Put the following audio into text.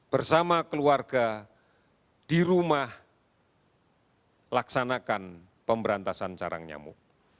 bersama keluarga di rumah laksanakan pemberantasan sarang nyamuk